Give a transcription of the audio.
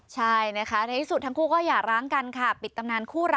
ใช่นะคะในที่สุดทั้งคู่ก็อย่าร้างกันค่ะ